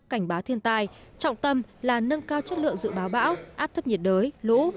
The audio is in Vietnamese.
cảnh báo thiên tai trọng tâm là nâng cao chất lượng dự báo bão áp thấp nhiệt đới lũ